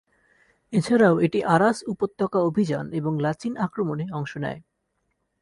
এছাড়াও এটি আরাস উপত্যকা অভিযান এবং লাচিন আক্রমণে অংশ নেয়।